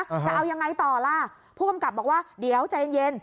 จะเอายังไงต่อล่ะผู้กำกับบอกว่าเดี๋ยวใจเย็นเย็น